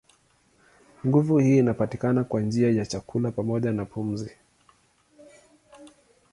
Nguvu hii inapatikana kwa njia ya chakula pamoja na pumzi.